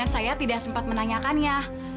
saya ingin menemukannya